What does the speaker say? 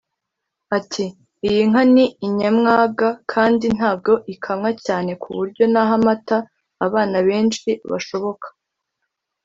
Ati “Iyi nka ni inyamwaga kandi ntabwo ikamwa cyane ku buryo naha amata abana benshi bashoboka